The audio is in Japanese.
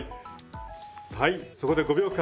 はいそこで５秒間。